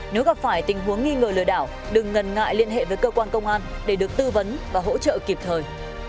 nếu gặp phải tình huống nghi ngờ lừa đảo đừng ngần ngại liên hệ với cơ quan công an để được tư vấn và hỗ trợ kịp thời